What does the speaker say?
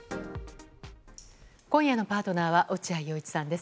今夜のパートナーは落合陽一さんです。